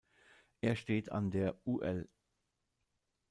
Er steht an der ul.